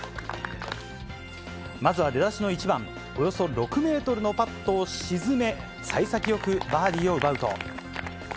まずは出だしの１番、およそ６メートルのパットを沈め、さい先よくバーディーを奪うと。